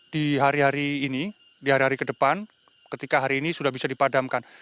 di hari hari ini di hari hari ke depan ketika hari ini sudah bisa dipadamkan